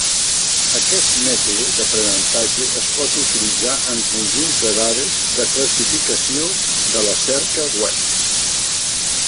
Aquest mètode d'aprenentatge es pot utilitzar en conjunts de dades de classificació de la cerca web.